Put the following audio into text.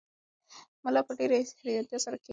ملا په ډېرې حیرانتیا سره کښېناست.